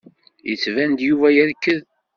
Yettban-d Yuba yerked.